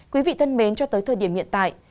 quý vị thân mến cho tới thời điểm hiện tại